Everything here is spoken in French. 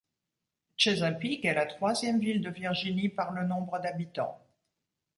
Chesapeake est la troisième ville de Virginie par le nombre d'habitants.